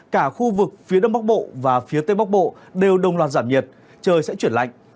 cả khu vực phía đông bắc bộ và phía tây bắc bộ đều đồng loạt giảm nhiệt trời sẽ chuyển lạnh